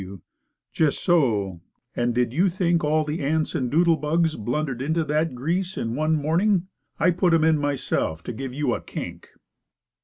W. "Just so. And did you think all the ants and doodle bugs blundered into that grease in one morning? I put 'em in myself to give you a 'kink.'"